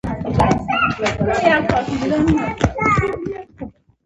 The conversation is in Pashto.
هغه لیکي چې دا د ډیلي د سلاطینو رواج و.